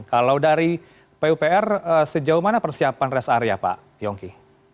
kalau dari pupr sejauh mana persiapan rest area pak yongki